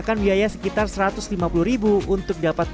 jadi kita agak